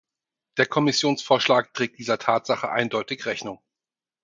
Der Kommissionsvorschlag trägt dieser Tatsache eindeutig Rechnung.